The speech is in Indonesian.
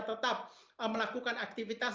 tetap melakukan aktivitas